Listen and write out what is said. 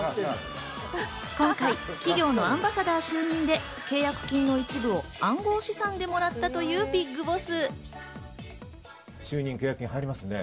今回、企業のアンバサダー就任で契約金の一部を暗号資産でもらったというＢＩＧＢＯＳＳ。